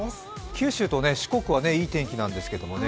九州と四国はいい天気なんですけどね。